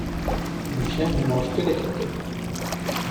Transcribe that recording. Mon chien ne mange que des croquettes.